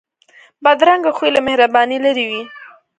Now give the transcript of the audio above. بدرنګه خوی له مهربانۍ لرې وي